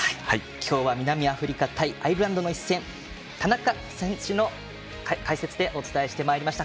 今日は南アフリカ対アイルランドの一戦田中選手の解説でお伝えしてまいりました。